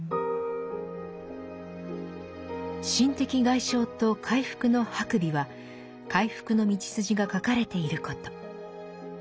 「心的外傷と回復」の白眉は回復の道筋が書かれていること。